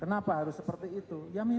kenapa harus seperti itu